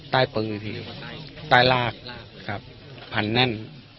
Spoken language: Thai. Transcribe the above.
ใต้ปือใต้รากครับผันแน่น